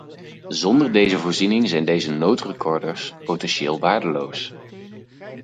Zonder deze voorziening zijn deze noodrecorders potentieel waardeloos.